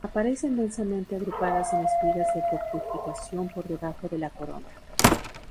Aparecen densamente agrupadas en espigas de fructificación por debajo de la corona.